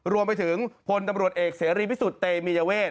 รวมไปถึงพนตรเอกเสียรีพิสุธิ์เตยีมียเวช